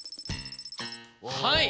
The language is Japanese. はい。